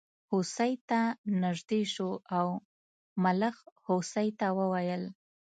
هوسۍ ته نژدې شو او ملخ هوسۍ ته وویل.